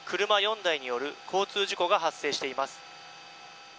車４台による交通事故が発生しています。